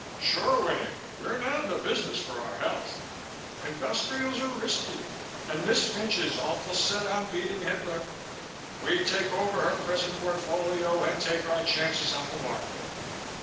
"Sure, Winnie. We're not in business for our health. Industrials are risky and Miss Fynch is awful set on beating Hitler. We take over her present portfolio and take our chances on the market.